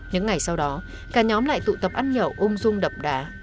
những ngày sau đó cả nhóm lại tụ tập ăn nhậu ôm rung đập đá